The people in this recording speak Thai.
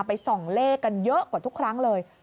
ส่องเลขกันเยอะกว่าทุกครั้งเลย